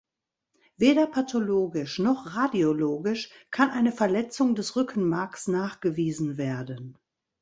Weder pathologisch noch radiologisch kann eine Verletzung des Rückenmarks nachgewiesen werden.